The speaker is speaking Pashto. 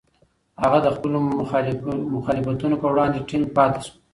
هغه د خپلو مخالفتونو په وړاندې ټینګ پاتې شو.